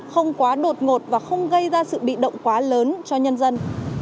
không quá đột ngột và không gây ra sự bị động quá lớn cho nhân dân